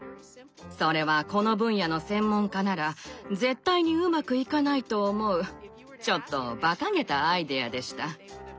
それはこの分野の専門家なら絶対にうまくいかないと思うちょっとバカげたアイデアでした。